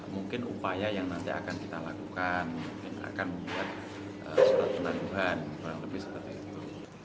mungkin upaya yang nanti akan kita lakukan mungkin akan membuat surat penanduhan kurang lebih seperti itu